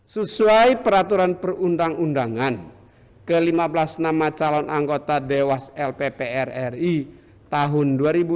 sesuai peraturan perundang undangan ke lima belas nama calon anggota dewas lpp rri tahun dua ribu dua puluh satu dua ribu dua puluh enam